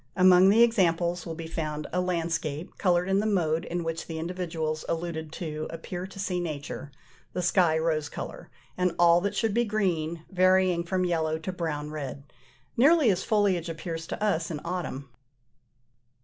Among the examples will be found a landscape, coloured in the mode in which the individuals alluded to appeared to see nature: the sky rose colour, and all that should be green varying from yellow to brown red, nearly as foliage appears to us in autumn.